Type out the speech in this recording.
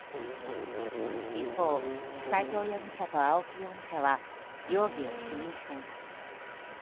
一方、齋藤容疑者と青木容疑者は容疑を否認しています。